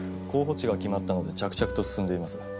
候補地は決まったので着々と進んでいます。